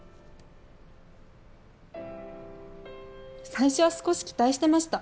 最初は少し期待してました。